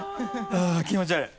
あっ気持ち悪い。